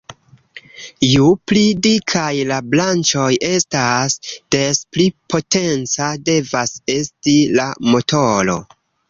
Ju pli dikaj la branĉoj estas, des pli potenca devas esti la motoro.